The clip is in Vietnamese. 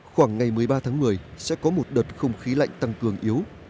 khoảng ngày một mươi ba tháng một mươi sẽ có một đợt không khí lạnh tăng cường yếu